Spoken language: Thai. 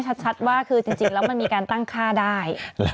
ชัดว่าคือจริงแล้วมันมีการตั้งค่าได้